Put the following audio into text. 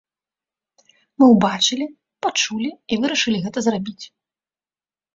Мы ўбачылі, пачулі і вырашылі гэта зрабіць.